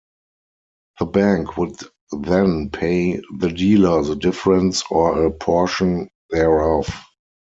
The bank would then pay the dealer the difference or a portion thereof.